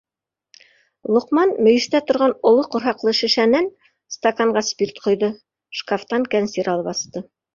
- Лоҡман мөйөштә торған оло ҡорһаҡлы шешәнән стаканға спирт ҡойҙо, шкафтан кәнсир алып асты.